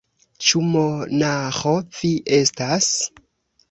Ĉu monaĥo vi estas?